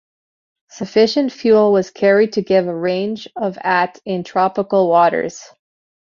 Sufficient fuel was carried to give a range of at in tropical waters.